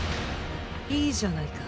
いいじゃないか。